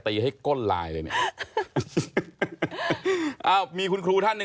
ก็ปูต้องเดินไปครูนาแล้วเข้าไปในรูที่อยู่ตรงครูนาไหม